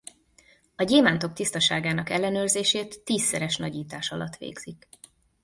A gyémántok tisztaságának ellenőrzését tízszeres nagyítás alatt végzik.